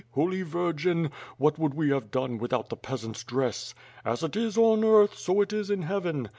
.... Holy Virgin What would we have done without the peasants' dress As it is on earth, so it is in heaven.